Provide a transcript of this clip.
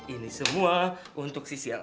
ini semua untuk si sial